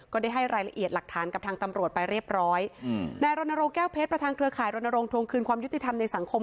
ก็ได้ให้รายละเอียดหลักฐานกับทางตำรวจไปเรียบร้อยอืมนายรณรงค์แก้วเพชรประธานเครือข่ายรณรงควงคืนความยุติธรรมในสังคม